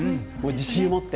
自信を持って。